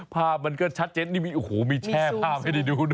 ภาพมันก็ชัดเจนโอ้โหมีแช่ภาพให้ดูด้วย